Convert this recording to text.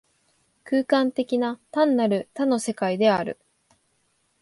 空間的な、単なる多の世界である。